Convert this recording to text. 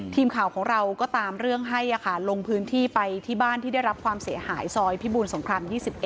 ทีมข่าวของเราก็ตามเรื่องให้ลงพื้นที่ไปที่บ้านที่ได้รับความเสียหายซอยพิบูรสงคราม๒๑